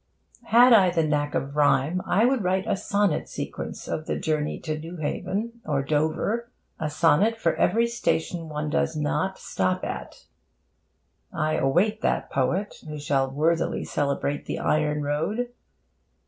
Had I the knack of rhyme, I would write a sonnet sequence of the journey to Newhaven or Dover a sonnet for every station one does not stop at. I await that poet who shall worthily celebrate the iron road.